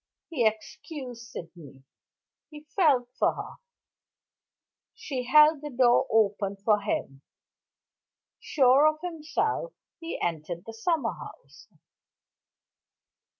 He excused Sydney; he felt for her. She held the door open for him. Sure of himself, he entered the summer house.